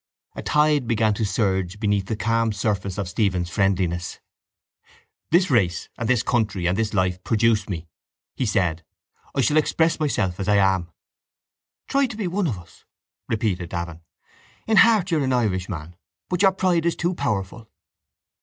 A tide began to surge beneath the calm surface of Stephen's friendliness. —This race and this country and this life produced me, he said. I shall express myself as I am. —Try to be one of us, repeated Davin. In heart you are an Irishman but your pride is too powerful.